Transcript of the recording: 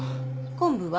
昆布は？